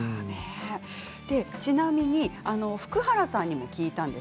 ちなみに福原さんにも聞いたんです。